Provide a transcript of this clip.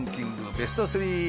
ベスト３。